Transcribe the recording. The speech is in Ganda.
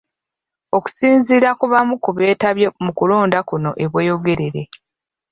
Okusinziira ku bamu ku beetabye mu kulonda kuno e Bweyogerere.